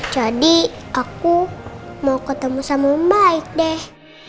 jadi aku mau ketemu sama baik deh